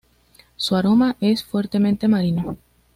Su aroma es fuertemente marino.